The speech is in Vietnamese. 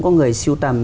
có người siêu tầm